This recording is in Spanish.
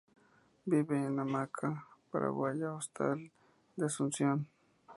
Vive en la Hamaca Paraguaya Hostal de Asunción.